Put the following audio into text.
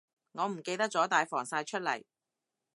我唔記得咗帶防曬出嚟